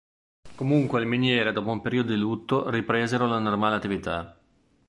Comunque le miniere, dopo un periodo di lutto, ripresero la normale attività.